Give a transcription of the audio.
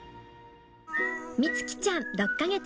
みつきちゃん６か月。